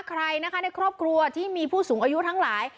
ใครนะคะในครอบครัวที่มีผู้สูงอายุทั้งหลาย